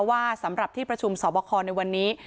ว่าสำหรับที่ประชุมสอบคอในวันนี้